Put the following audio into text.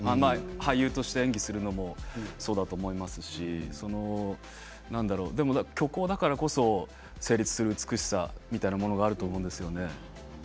俳優として演技をするのもそうだと思いますしでも虚構だからこそ成立する美しさみたいなものがあると思うんですよね。